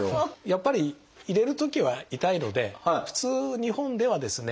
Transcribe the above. やっぱり入れるときは痛いので普通日本ではですね